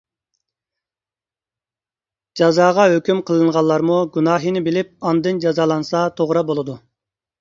جازاغا ھۆكۈم قىلىنغانلارمۇ گۇناھىنى بىلىپ ئاندىن جازالانسا توغرا بولىدۇ.